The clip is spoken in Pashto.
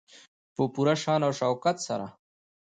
په پوره شان او شوکت سره.